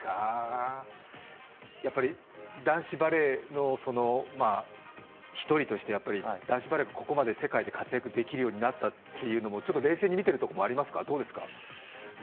やっぱり男子バレーの一人として、男子バレーがここまで世界で活躍できるようになったっていうのもちょっと冷静に見てるところもありますか、どうですか？